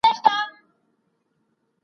انسان معنوي او روحي برتري هم لري.